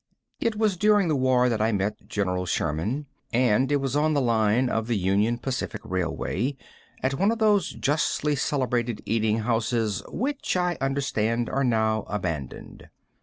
It was since the war that I met General Sherman, and it was on the line of the Union Pacific Railway, at one of those justly celebrated eating houses, which I understand are now abandoned.